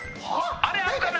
「あれあるかな？」